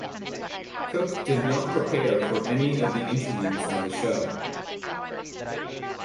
Cook did not prepare for any of the interviews on the show.